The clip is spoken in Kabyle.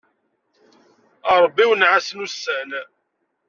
A Ṛebbi wenneɛ-asen ussan.